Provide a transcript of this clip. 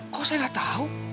kok saya gak tau